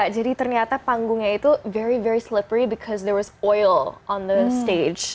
jadi ternyata panggungnya itu sangat sangat bergembiru karena ada minyak di panggung